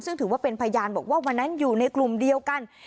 ซึ่งถือว่าเป็นพยานบอกว่าวันนั้นอยู่ในกลุ่มเดียวกัน